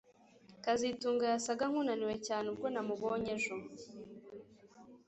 kazitunga yasaga nkunaniwe cyane ubwo namubonye ejo